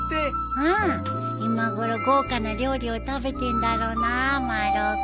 うん今頃豪華な料理を食べてんだろうな丸尾君。